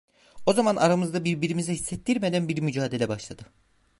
O zaman aramızda birbirimize hissettirmeden bir mücadele başladı…